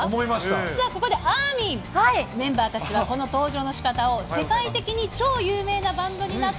さあ、ここで、あーみん、メンバーたちはこの登場のしかたを世界的に超有名なバンドになっ